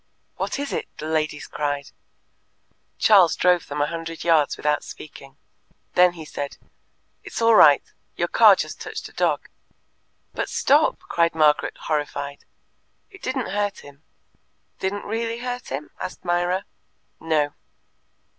"What is it?" the ladies cried. Charles drove them a hundred yards without speaking. Then he said: "It's all right. Your car just touched a dog." "But stop!" cried Margaret, horrified. "It didn't hurt him." "Didn't really hurt him?" asked Myra. "No."